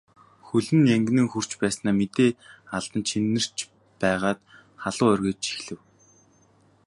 Хөл нь янгинан хөрч байснаа мэдээ алдан чинэрч байгаад халуу оргиж эхлэв.